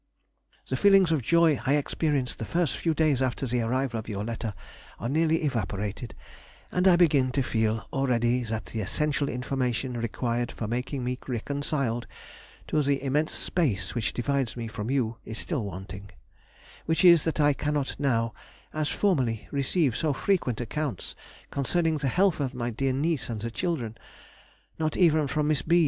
The feelings of joy I experienced the first few days after the arrival of your letter are nearly evaporated, and I begin to feel already that the essential information required for making me reconciled to the immense space which divides me from you is still wanting; which is, that I cannot now, as formerly, receive so frequent accounts concerning the health of my dear niece and the children, not even from Miss B.